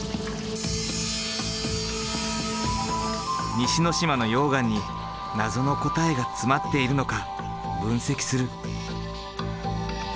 西之島の溶岩に謎の答えが詰まっているのか分析する。